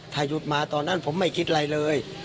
ถ้าหยุดมาตอนนั้นผมไม่คิดอะไรเลย